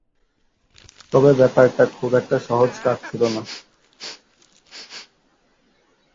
তবে ব্যাপারটা খুব একটা সহজ কাজ ছিল না।